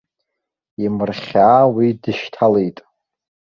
Имырхьаа уи дышьҭалеит.